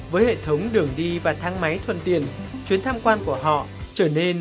với hệ thống đường đi và thang máy thuần tiện chuyến tham quan của họ trở nên